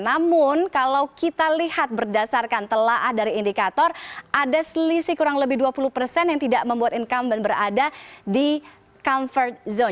namun kalau kita lihat berdasarkan telah dari indikator ada selisih kurang lebih dua puluh persen yang tidak membuat incumbent berada di comfort zone